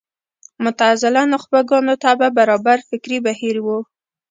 معتزله نخبه ګانو طبع برابر فکري بهیر و